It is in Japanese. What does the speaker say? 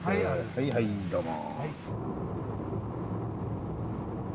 はいはいどうも。